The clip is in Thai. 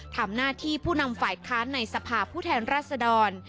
ทำหน้าที่ผู้นำฝ่ายค้านในสภาพผู้แทนรัศดร